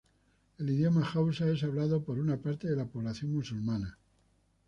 El idioma hausa es hablado por una parte de la población musulmana.